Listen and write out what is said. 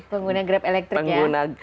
pengguna grab elektrik ya